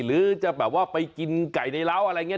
หรือจะแบบว่าไปกินไก่ในร้าวอะไรอย่างนี้